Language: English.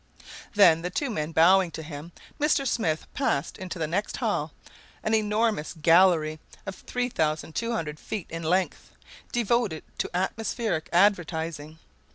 Then, the two men bowing to him, Mr. Smith passed into the next hall, an enormous gallery upward of 3200 feet in length, devoted to atmospheric advertising.